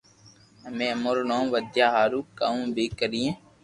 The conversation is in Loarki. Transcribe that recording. امي امارو نو ودايا ھارو ڪاو بي ڪري